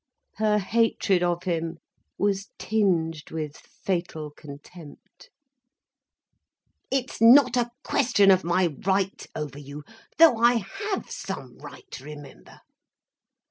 Her hatred of him was tinged with fatal contempt. "It's not a question of my right over you—though I have some right, remember.